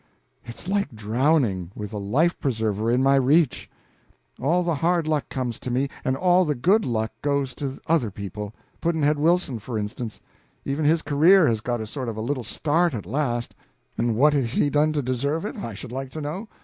It's like drowning with a life preserver in my reach. All the hard luck comes to me, and all the good luck goes to other people Pudd'nhead Wilson, for instance; even his career has got a sort of a little start at last, and what has he done to deserve it, I should like to know?